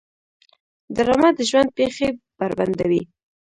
ډرامه د ژوند پېښې بربنډوي